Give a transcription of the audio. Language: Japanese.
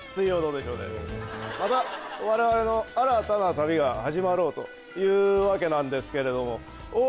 またわれわれの新たな旅が始まろうというわけなんですけれども。